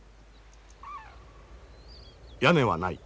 屋根はない。